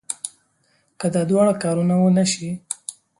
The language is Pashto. که دا دواړه کارونه ونه شي.